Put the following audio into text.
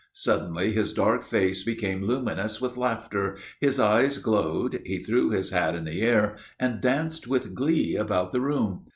Suddenly his dark face became luminous with laughter, his eyes glowed, he threw his hat in the air and danced with glee about the room.